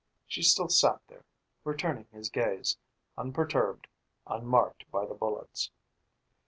She still sat there, returning his gaze, unperturbed, unmarked by the bullets.